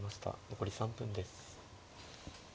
残り３分です。